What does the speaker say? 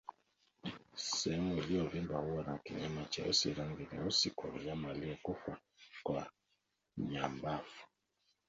Sehemu iliyovimba huwa na kinyama chenye rangi nyeusi kwa mnyama aliyekufa kwa chambavu